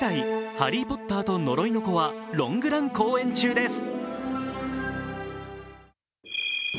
「ハリー・ポッターと呪いの子」はロングラン公演中です。